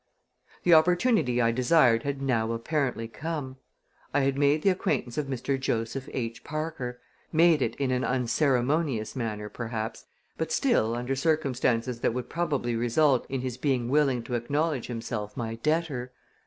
The opportunity I desired had now apparently come. I had made the acquaintance of Mr. Joseph H. Parker made it in an unceremonious manner, perhaps, but still under circumstances that would probably result in his being willing to acknowledge himself my debtor.